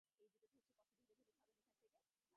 আমি খুব ক্লান্ত!